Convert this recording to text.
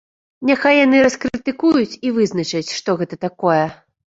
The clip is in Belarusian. Няхай яны раскрытыкуюць і вызначаць, што гэта такое.